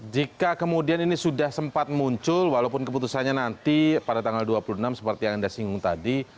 jika kemudian ini sudah sempat muncul walaupun keputusannya nanti pada tanggal dua puluh enam seperti yang anda singgung tadi